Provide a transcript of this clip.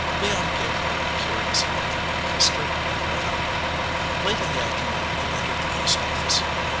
Leon gave her a curious look, kissed her and went out. Late in the afternoon he entered the post office.